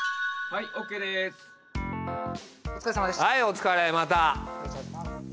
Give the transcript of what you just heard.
はいおつかれまた。